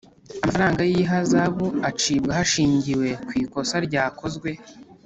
Amafaranga y ihazabu acibwa hashingiwe ku ikosa ryakozwe